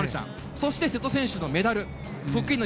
そして、瀬戸選手のメダル。